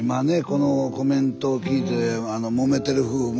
このコメントを聞いてもめてる夫婦